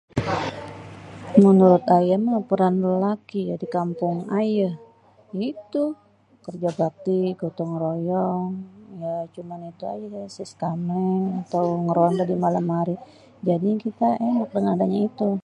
Ménurut ayê mêh peran lélaki di kampung ayê itu kerja bakti, gotong royong gak cuman itu ajé, siskamling atau ngêronda di malam hari jadinya kita ènak dengan adênyê itu.